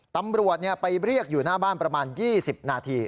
ตำรวจไปเรียกอยู่หน้าบ้านประมาณ๒๐นาที